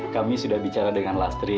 kami sudah bicara dengan lastri